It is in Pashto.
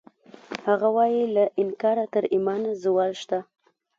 هغه وایی له انکاره تر ایمانه زوال شته